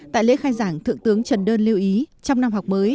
tại lễ khai giảng thượng tướng trần đơn lưu ý trong năm học mới